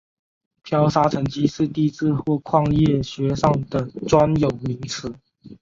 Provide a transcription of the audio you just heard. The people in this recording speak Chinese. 漂砂沉积是地质或矿业学上的专有名词。